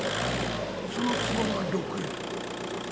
そのつぼが６円。